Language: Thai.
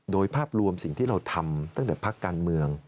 โดยภาพรวมสิ่งที่เราทำตั้งแต่พักการเมือง